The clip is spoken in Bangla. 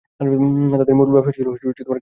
তাদের মূল ব্যবসা ছিল খেজুর উৎপাদন।